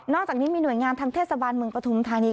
อกจากนี้มีหน่วยงานทางเทศบาลเมืองปฐุมธานี